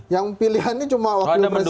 yang pilihannya cuma wakil presiden